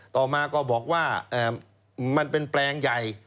ต่อมาก็บอกว่ามันเป็นแปลงใหญ่